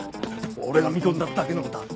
俺が見込んだだけの事はある。